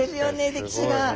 歴史が。